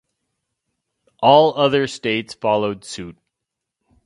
All other states followed suit.